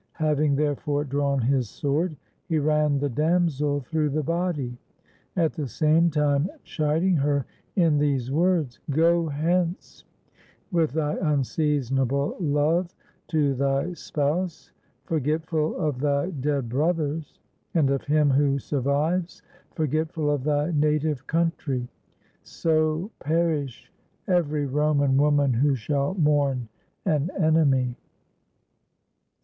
Having, therefore, drawn his sword, he ran the damsel through the body, at the same time chiding her in these words: *'Go hence with thy unseasonable love to thy spouse, forgetful of thy dead brothers and of him who survives, forgetful of thy native country. So perish every Roman woman who shall mourn an enemy."